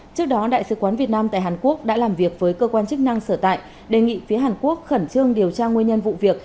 trước đó đại sứ quán việt nam tại hàn quốc đã làm việc với cơ quan chức năng sở tại đề nghị phía hàn quốc khẩn trương điều tra nguyên nhân vụ việc